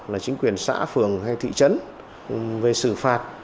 là chính quyền xã phường hay thị trấn về xử phạt